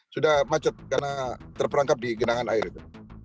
sudah macet karena terperangkap di genangan air itu